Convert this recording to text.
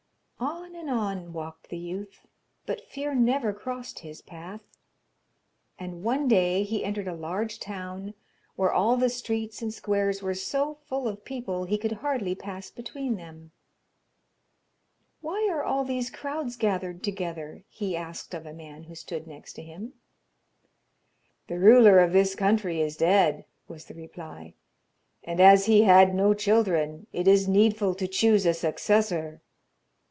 On and on walked the youth, but fear never crossed his path, and one day he entered a large town, where all the streets and squares were so full of people, he could hardly pass between them. 'Why are all these crowds gathered together?' he asked of a man who stood next him. 'The ruler of this country is dead,' was the reply, 'and as he had no children, it is needful to choose a successor.